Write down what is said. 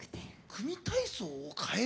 組み体操を変える？